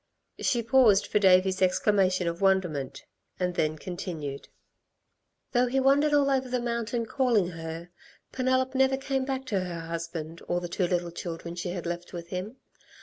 She paused for Davey's exclamation of wonderment; and then continued: "Though he wandered all over the mountain calling her, Penelop never came back to her husband or the two little children she had left with him.